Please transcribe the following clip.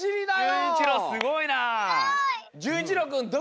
じゅんいちろうすごいな。